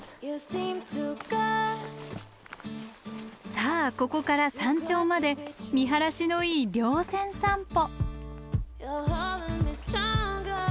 さあここから山頂まで見晴らしのいい稜線散歩！